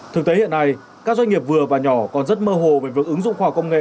thực tế hiện nay các doanh nghiệp vừa và nhỏ còn rất mơ hồ về việc ứng dụng khoa học công nghệ